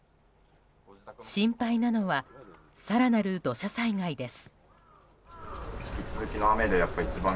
心配なのは更なる土砂災害です。